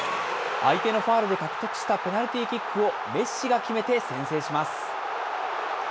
相手のファウルで獲得したペナルティーキックをメッシが決めて先制します。